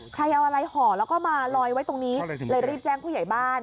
ใครเอาอะไรห่อแล้วก็มาลอยไว้ตรงนี้เลยรีบแจ้งผู้ใหญ่บ้าน